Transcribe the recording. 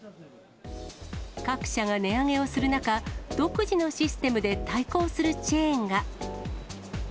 各社が値上げをする中、独自のシステムで対抗するチェーンが。